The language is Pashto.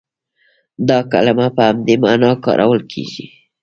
دا کلمه په همدې معنا کارول کېږي.